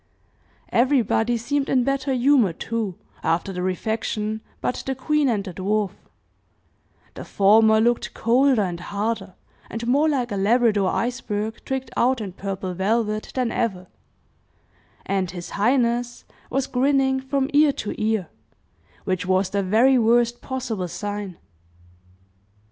Everybody seemed in better humor, too, after the refection, but the queen and the dwarf the former looked colder, and harder, and more like a Labrador iceberg tricked out in purple velvet, than ever, and his highness was grinning from ear to ear which was the very worst possible sign.